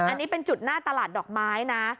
อันนี้เป็นจุดหน้าตลาดดอกไม้นะ